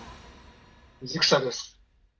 「水草」です。